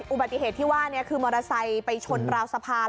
อุบัติเหตุที่ว่านี้คือมอเตอร์ไซค์ไปชนราวสะพาน